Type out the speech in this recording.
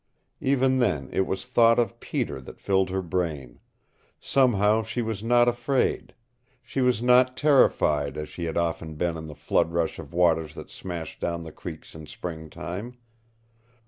Even then it was thought of Peter that filled her brain. Somehow she was not afraid. She was not terrified, as she had often been of the flood rush of waters that smashed down the creeks in springtime.